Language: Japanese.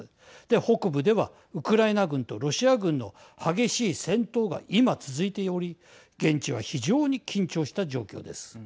北部ではウクライナ軍とロシア軍の激しい戦闘が今続いており現地は非常に緊張した状況です。